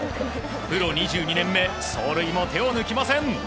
プロ２２年目走塁も手を抜きません。